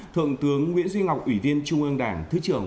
thượng tướng nguyễn duy ngọc ủy viên trung ương đảng thứ trưởng